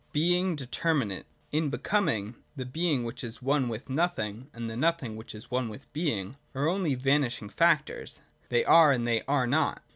(6) Being Determinate. 89.] In Becoming the Being which is one with Nothing, and the Nothing which is one with Being, are only vanishing factors ; they are and they are not.